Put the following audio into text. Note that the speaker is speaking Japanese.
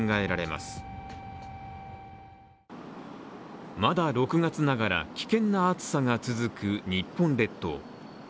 まだ６月ながら危険な暑さが続く日本列島。